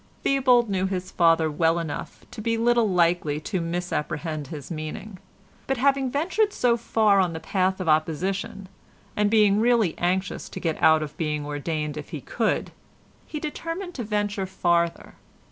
Theobald knew his father well enough to be little likely to misapprehend his meaning, but having ventured so far on the path of opposition, and being really anxious to get out of being ordained if he could, he determined to venture farther.